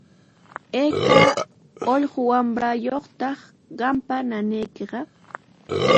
¿Ayka ullqu wamrayuqtaq qampa ñañaykiqa?